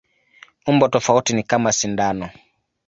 Umbo tofauti ni kama sindano.